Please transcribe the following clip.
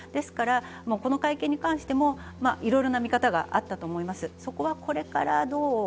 この会見に関してもいろいろな見方があったと思います。